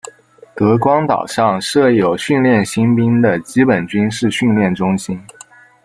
德光岛上设有训练新兵的基本军事训练中心。